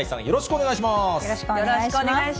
よろしくお願いします。